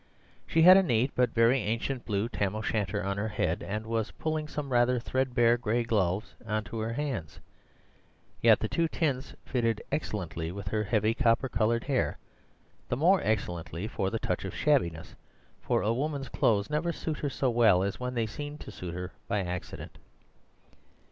She had a neat but very ancient blue tam o' shanter on her head, and was pulling some rather threadbare gray gloves on to her hands. Yet the two tints fitted excellently with her heavy copper coloured hair; the more excellently for the touch of shabbiness: for a woman's clothes never suit her so well as when they seem to suit her by accident.